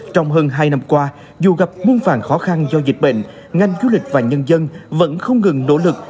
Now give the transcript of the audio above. trong hơn hai năm qua dù gặp muôn phản khó khăn do dịch bệnh ngành du lịch và nhân dân vẫn không ngừng nỗ lực